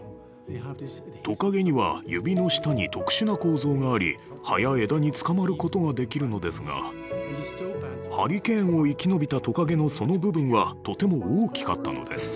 トカゲには指の下に特殊な構造があり葉や枝につかまることができるのですがハリケーンを生き延びたトカゲのその部分はとても大きかったのです。